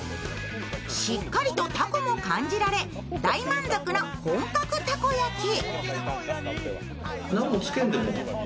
しっかりとたこも感じられ大満足の本格たこ焼き。